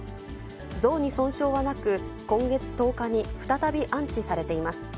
像に損傷はなく、今月１０日に再び安置されています。